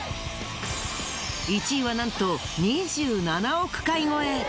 １位はなんと２７億回超え。